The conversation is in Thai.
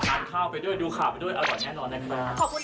ข้าวไปด้วยดูข่าวไปด้วยอร่อยแน่นอนนะคะ